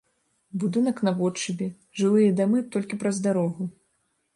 Будынак наводшыбе, жылыя дамы толькі праз дарогу.